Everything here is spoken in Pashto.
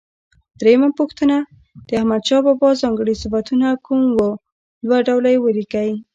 درېمه پوښتنه: د احمدشاه بابا ځانګړي صفتونه کوم و؟ دوه ډوله یې ولیکئ.